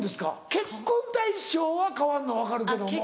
結婚対象は変わんの分かるけども。